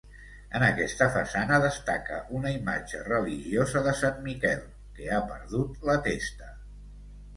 En aquesta façana destaca una imatge religiosa, de Sant Miquel, que ha perdut la testa.